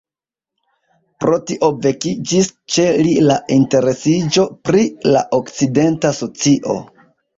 Pro tio vekiĝis ĉe li la interesiĝo pri la okcidenta socio.